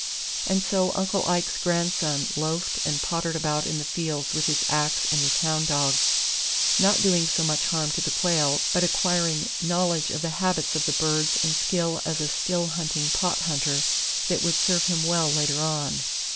And so Uncle Ike's grandson loafed and pottered about in the fields with his ax and his hound dogs, not doing so much harm to the quail but acquiring knowledge of the habits of the birds and skill as a still hunting pot hunter that would serve him well later on.